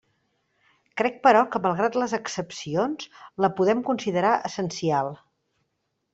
Crec, però, que, malgrat les excepcions, la podem considerar essencial.